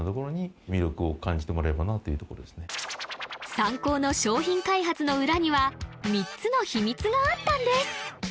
サンコーの商品開発の裏には３つの秘密があったんです